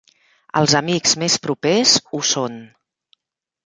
Els amics més propers ho són.